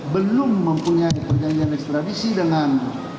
belum mempunyai perjanjian ekstradisi dengan